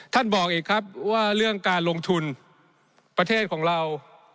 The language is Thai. บอกอีกครับว่าเรื่องการลงทุนประเทศของเรา